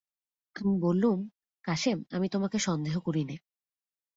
আমি বললুম, কাসেম, আমি তোমাকে সন্দেহ করি নে।